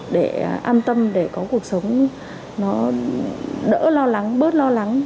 để an tâm để có cuộc sống nó đỡ lo lắng bớt lo lắng